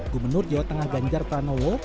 gubernur jawa tengah ganjar pranowo